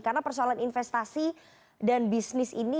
karena persoalan investasi dan bisnis ini